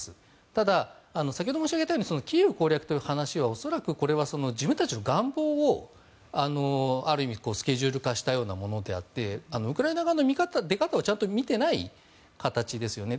ただ、先ほど申し上げたようにキーウ攻略の話は自分たちの願望をスケジュール化したようなものであってウクライナ側の出方をちゃんと見てない形ですよね。